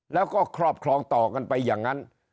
แล้วก็ครอบครองต่อกันไปอย่างนั้น